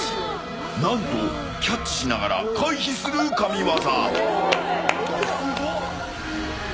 何とキャッチしながら回避する神業。